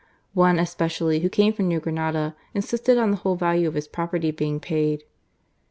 One especially, who came from New Granada, insisted on the whole value of his property being paid.